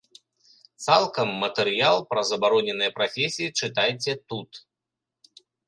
Цалкам матэрыял пра забароненыя прафесіі чытайце тут.